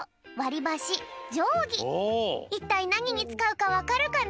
いったいなににつかうかわかるかな？